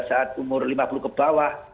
saat umur lima puluh ke bawah